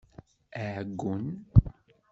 Aɛeggun!